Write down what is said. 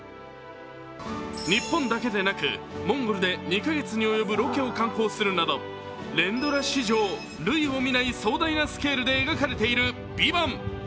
日本だけでなくモンゴルで２か月に及ぶロケを敢行するなど、連ドラ史上、類を見ない壮大なスケールで描かれている「ＶＩＶＡＮＴ」。